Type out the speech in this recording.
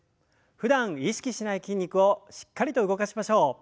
ふだん意識しない筋肉をしっかりと動かしましょう。